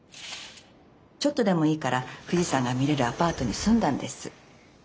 ちょっとでもいいから富士山が見れるアパートに住んだんです。